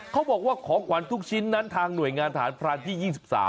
เขาบอกว่าของขวัญทุกชิ้นนั้นทางหน่วยงานฐานพรานที่๒๓